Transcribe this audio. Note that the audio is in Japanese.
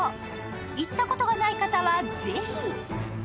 行ったことがない方は、ぜひ！